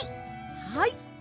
はい。